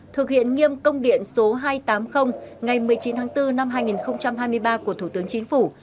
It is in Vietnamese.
thực hiện nghiêm công điện số hai trăm tám mươi ngày một mươi chín tháng bốn năm hai nghìn hai mươi ba của thủ tướng chính phủ